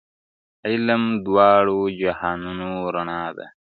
علم د دواړو جهانونو رڼا ده -